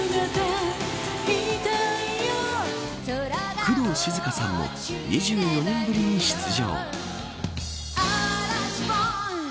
工藤静香さんも２４年ぶりに出場。